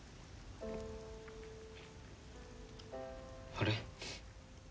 あれ。